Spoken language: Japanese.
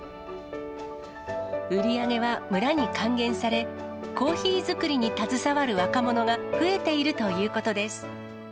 売り上げは村に還元され、コーヒー作りに携わる若者が増えているということです。